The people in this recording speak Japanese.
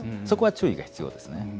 そこは注意が必要ですね。